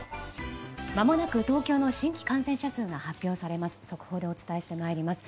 まもなく東京の新規感染者数が発表されます。